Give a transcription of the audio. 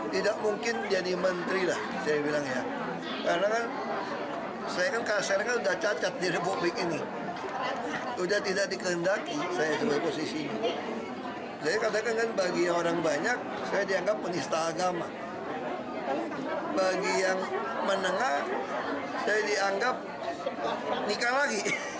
saya dianggap nikah lagi ya sudah